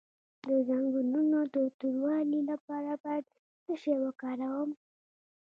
د زنګونونو د توروالي لپاره باید څه شی وکاروم؟